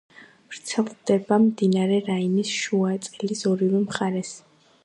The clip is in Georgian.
ვრცელდება მდინარე რაინის შუაწელის ორივე მხარეს.